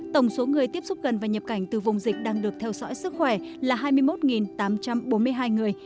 tổng số người tiếp xúc gần và nhập cảnh từ vùng dịch đang được theo dõi sức khỏe là hai mươi một tám trăm bốn mươi hai người